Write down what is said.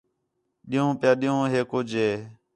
ݙِین٘ہوں پِیا ݙِین٘ہوں ہِے کُج ہِے